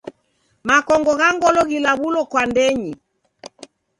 Makongo gha ngolo ghilaw'ulo kwa ndenyi.